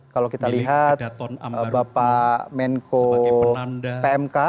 kalau kita lihat bapak menko pmk